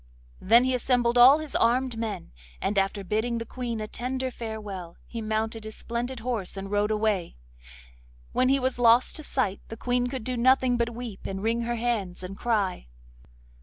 Then he assembled all his armed men, and after bidding the Queen a tender farewell, he mounted his splendid horse and rode away. When he was lost to sight the Queen could do nothing but weep, and wring her hands, and cry.